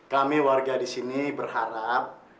kami warga disini berharap